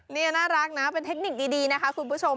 นี่น่ารักนะเป็นเทคนิคดีนะคะคุณผู้ชม